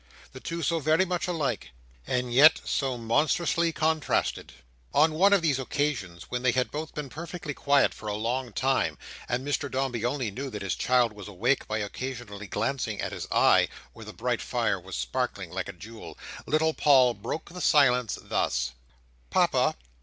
The two so very much alike, and yet so monstrously contrasted. On one of these occasions, when they had both been perfectly quiet for a long time, and Mr Dombey only knew that the child was awake by occasionally glancing at his eye, where the bright fire was sparkling like a jewel, little Paul broke silence thus: "Papa!